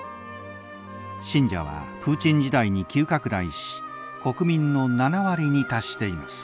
信者はプーチン時代に急拡大し国民の７割に達しています。